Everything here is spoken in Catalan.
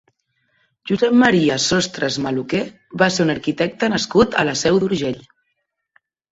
Josep Maria Sostres Maluquer va ser un arquitecte nascut a la Seu d'Urgell.